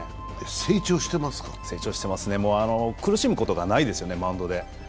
成長してますね、苦しむことがないですよね、マウンドで。